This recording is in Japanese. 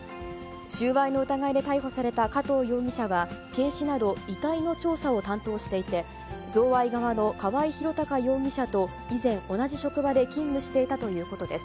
収賄の疑いで逮捕された加藤容疑者は、検死など、遺体の調査を担当していて、贈賄側の河合ひろたか容疑者と以前、同じ職場で勤務していたということです。